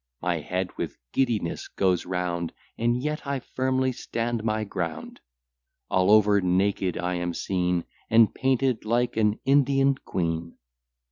My head with giddiness goes round, And yet I firmly stand my ground: All over naked I am seen, And painted like an Indian queen.